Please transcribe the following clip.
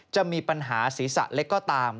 จะมีปัญหาศีรษะเล็กก็ตาม